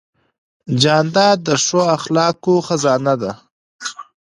جانداد د ښو اخلاقو خزانه ده.